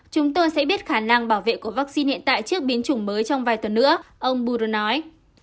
chúng tôi sẽ biết khả năng bảo vệ của vaccine hiện tại trước biến chủng mới trong vài tuần nữa ông budro nói